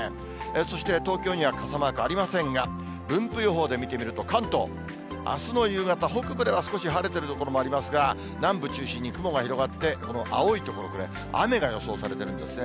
そして、東京には傘マークありませんが、分布予報で見てみると、関東、あすの夕方、北部では少し晴れてる所もありますが、南部中心に雲が広がって、この青い所、これ、雨が予想されてるんですね。